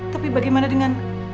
tapi bagaimana dengan